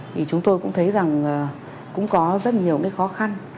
thì chúng tôi cũng thấy rằng cũng có rất nhiều cái khó khăn